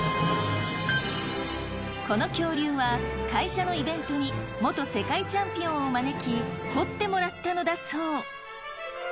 この恐竜は会社のイベントに元世界チャンピオンを招き彫ってもらったのだそう。